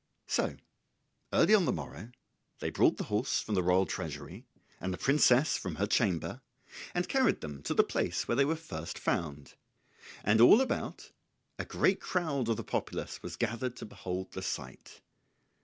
So early on the morrow they brought the horse from the royal treasury, and the princess from her chamber, and carried them to the place where they were first found; and all about, a great crowd of the populace was gathered to behold the sight.